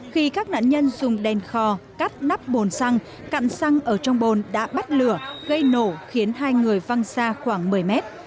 khi các nạn nhân dùng đèn kho cắt nắp bồn xăng cặn xăng ở trong bồn đã bắt lửa gây nổ khiến hai người văng xa khoảng một mươi mét